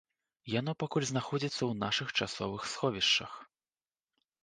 Яно пакуль знаходзіцца ў нашых часовых сховішчах.